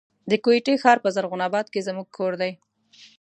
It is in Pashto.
د کوټي ښار په زرغون آباد کي زموږ کور دی.